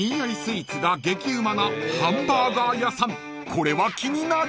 ［これは気になる］